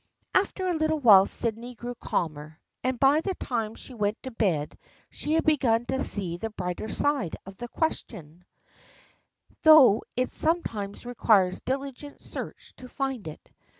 After a little while Sydney grew calmer, and by the time she went to bed she had begun to see the brighter side of the question, though it sometimes requires diligent search to find it.